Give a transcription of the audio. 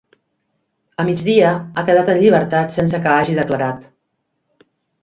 A migdia, ha quedat en llibertat sense que hagi declarat.